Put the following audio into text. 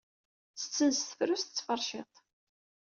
Ttetten s tefrut d tferciḍt.